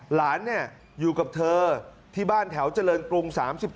หลานอยู่กับเธอที่บ้านแถวเจริญกรุง๓๔